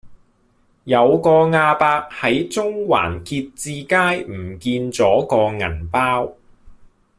有個亞伯喺中環結志街唔見左個銀包